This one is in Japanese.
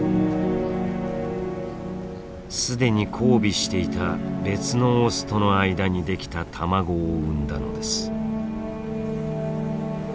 既に交尾していた別のオスとの間にできた卵を産んだのです。